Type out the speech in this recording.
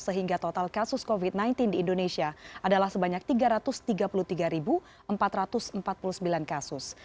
sehingga total kasus covid sembilan belas di indonesia adalah sebanyak tiga ratus tiga puluh tiga empat ratus empat puluh sembilan kasus